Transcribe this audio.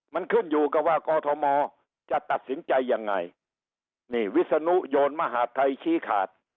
มันขึ้นอยู่กับว่ากอทมจะตัดสินใจยังไงนี่วิศนุโยนมหาดไทยชี้ขาด